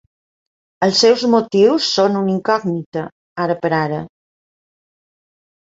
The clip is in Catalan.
Els seus motius són una incògnita, ara per ara.